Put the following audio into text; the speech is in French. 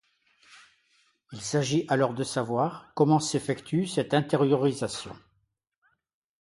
Il s'agit alors de savoir comment s'effectue cette intériorisation.